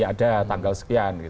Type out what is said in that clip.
ada tanggal sekian